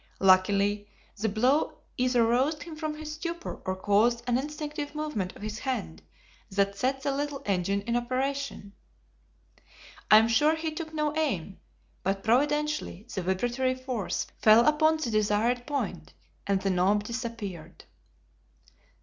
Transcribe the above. Luckily the blow either roused him from his stupor or caused an instinctive movement of his hand that set the little engine in operation. I am sure he took no aim, but providentially the vibratory force fell upon the desired point, and the knob disappeared.